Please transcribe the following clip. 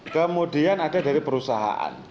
kemudian ada dari perusahaan